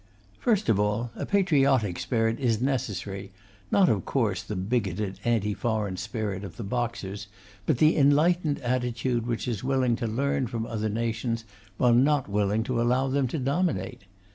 First of all, a patriotic spirit is necessary not, of course, the bigoted anti foreign spirit of the Boxers, but the enlightened attitude which is willing to learn from other nations while not willing to allow them to dominate.